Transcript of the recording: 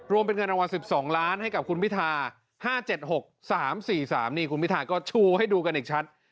รวมเป็นเงินรางวัลสิบสองล้านให้กับคุณพิทาห้าเจ็ดหกสามสี่สามนี่คุณพิทาก็ชูให้ดูกันอีกชัด